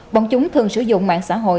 bọn chúng thường sử dụng mạng xã hội